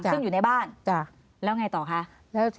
ซึ่งอยู่ในบ้านแล้วไงต่อคะ